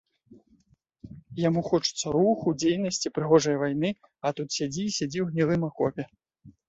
Яму хочацца руху, дзейнасці, прыгожае вайны, а тут сядзі і сядзі ў гнілым акопе.